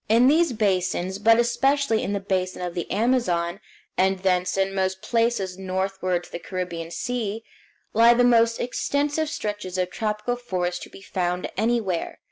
In these basins, but especially in the basin of the Amazon, and thence in most places northward to the Caribbean Sea, lie the most extensive stretches of tropical forest to be found anywhere.